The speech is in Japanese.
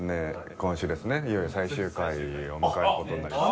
今週ですねいよいよ最終回を迎える事になりまして。